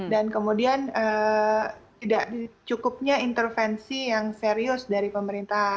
dan kemudian tidak cukupnya intervensi yang serius dari pemerintah